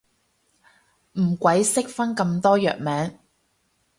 唔鬼識分咁多藥名